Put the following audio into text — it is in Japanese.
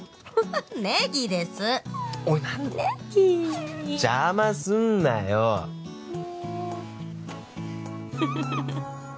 ネギですおい何ネギ邪魔すんなよね